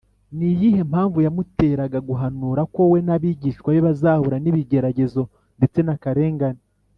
ni iyihe mpamvu yamuteraga guhanura ko we n’abigishwa be bazahura n’ibigeragezo ndetse n’akarengane?